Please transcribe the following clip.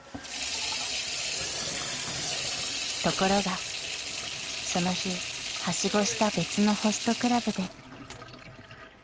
［ところがその日はしごした別のホストクラブで］